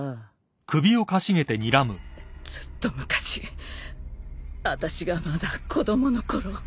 ずっと昔あたしがまだ子供のころ。